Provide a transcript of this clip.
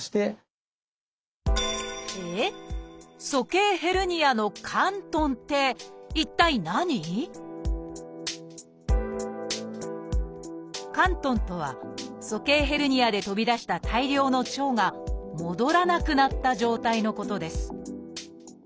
鼠径ヘルニアの「嵌頓」とは鼠径ヘルニアで飛び出した大量の腸が戻らなくなった状態のことです。